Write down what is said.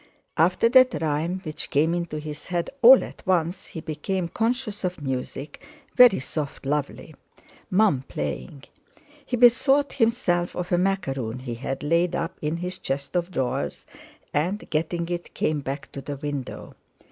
After that rhyme, which came into his head all at once, he became conscious of music, very soft lovely! Mum playing! He bethought himself of a macaroon he had, laid up in his chest of drawers, and, getting it, came back to the window.